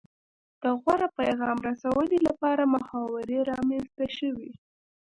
د غوره پیغام رسونې لپاره محاورې رامنځته شوې